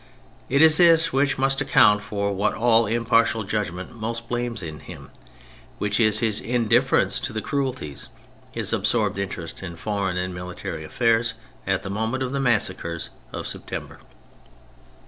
It is this which must account for what all impartial judgment most blames in him, which is, his in difference to the cruelties, his absorbed interest in foreign and military affairs, at the moment of the Massacres of September.